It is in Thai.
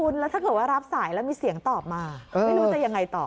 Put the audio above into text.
แล้วถ้าเกิดว่ารับสายแล้วมีเสียงตอบมาไม่รู้จะยังไงต่อ